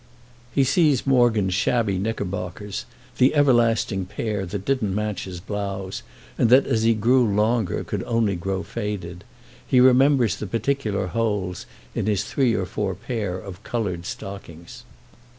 He sees Morgan's shabby knickerbockers—the everlasting pair that didn't match his blouse and that as he grew longer could only grow faded. He remembers the particular holes in his three or four pair of coloured stockings.